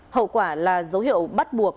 hậu quả là dấu hiệu bắt buộc